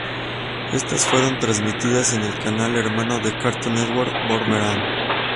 Estas fueron transmitidas en el canal hermano de Cartoon Network: Boomerang.